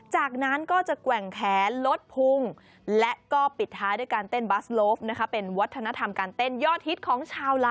จากนั้นก็จะแกว่งแขลดพุ้ง